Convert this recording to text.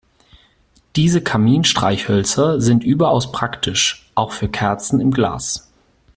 Diese Kaminstreichhölzer sind überaus praktisch, auch für Kerzen im Glas.